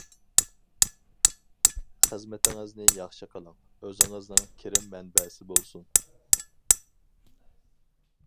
خىزمىتىڭىزنى ياخشى قىلىڭ، ئۆزىڭىزنىڭ كىرىم مەنبەسى بولسۇن.